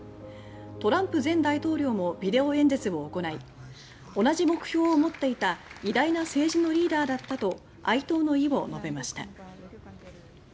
トランプ前大統領もビデオ演説を行い「同じ目標を持っていた偉大な政治のリーダーだった」と哀悼の意を述べました。